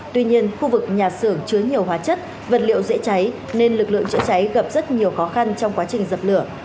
tuy nhiên khu vực nhà xưởng chứa nhiều hóa chất vật liệu dễ cháy nên lực lượng chữa cháy gặp rất nhiều khó khăn trong quá trình dập lửa